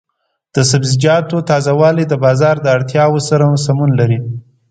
د سبزیجاتو تازه والي د بازار د اړتیاوو سره سمون لري.